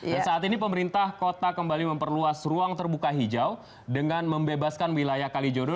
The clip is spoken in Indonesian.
dan saat ini pemerintah kota kembali memperluas ruang terbuka hijau dengan membebaskan wilayah kalijodo